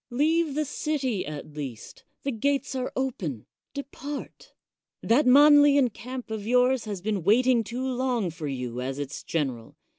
Leave the city at least ; the gates are open ; depart. That Manlian camp of yours has been waiting too long for you as its general.